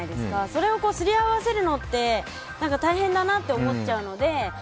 それを擦り合わせるのって大変だなって思っちゃうので。